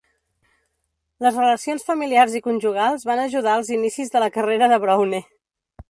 Les relacions familiars i conjugals van ajudar els inicis de la carrera de Browne.